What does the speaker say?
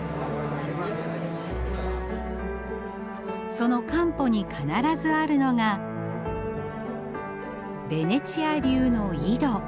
そのカンポに必ずあるのがベネチア流の井戸。